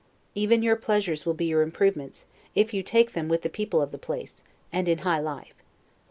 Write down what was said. Even your pleasures will be your improvements, if you take them with the people of the place, and in high life.